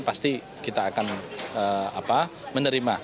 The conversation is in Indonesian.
pasti kita akan menerima